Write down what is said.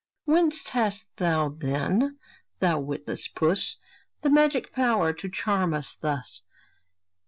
Whence hast thou then, thou witless puss! The magic power to charm us thus?